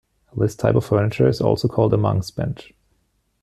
This type of furniture is also called a monks bench.